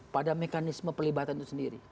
pada mekanisme pelibatan itu sendiri